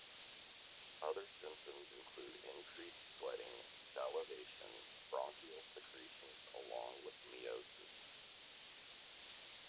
Other symptoms include increased sweating, salivation, bronchial secretions along with miosis.